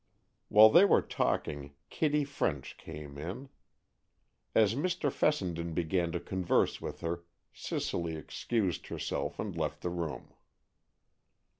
While they were talking Kitty French came in. As Mr. Fessenden began to converse with her Cicely excused herself and left the room.